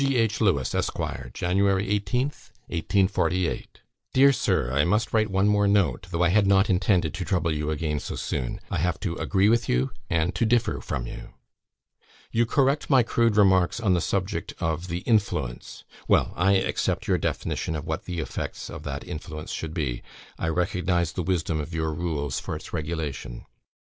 H. LEWES, ESQ. "Jan. 18th, 1848. "Dear Sir, I must write one more note, though I had not intended to trouble you again so soon. I have to agree with you, and to differ from you. "You correct my crude remarks on the subject of the 'influence'; well, I accept your definition of what the effects of that influence should be; I recognise the wisdom of your rules for its regulation.